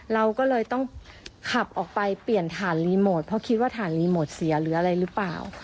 เราก็เลยต้องขับออกไปเปลี่ยนฐานรีโมทเพราะคิดว่าฐานรีโมทเสียหรืออะไรหรือเปล่า